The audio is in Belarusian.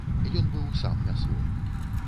Ён быў сам не свой.